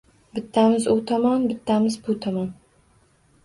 Bittamiz u tomon, bittamiz bu tomon…